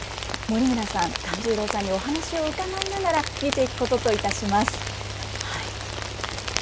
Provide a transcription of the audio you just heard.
森村さん勘十郎さんにお話を伺いながら見ていくことといたします。